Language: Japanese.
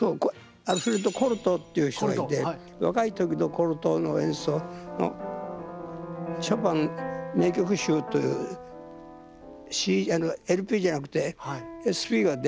コルトーっていう人がいて若い時のコルトーの演奏のショパン名曲集というＬＰじゃなくてＳＰが出ましたね。